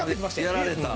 やられた。